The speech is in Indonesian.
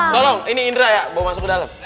tolong ini indra ya bawa masuk ke dalam